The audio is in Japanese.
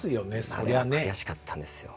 あれは悔しかったんですよ。